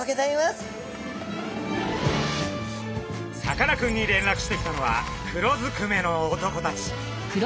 さかなクンに連絡してきたのは黒ずくめの男たち。